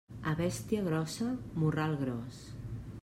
A bèstia grossa, morral gros.